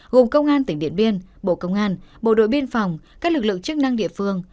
gồm công an tỉnh điện biên bộ công an bộ đội biên phòng các lực lượng chức năng địa phương